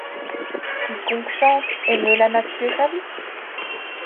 Quiconque chante émeut la nature ravie ;